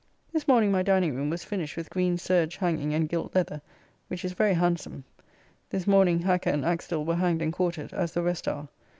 This morning my dining room was finished with green serge hanging and gilt leather, which is very handsome. This morning Hacker and Axtell were hanged and quartered, as the rest are.